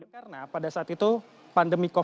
karena pada saat itu pandemi ini berlaku